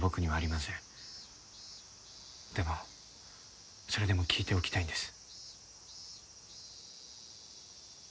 でもそれでも聞いておきたいんです。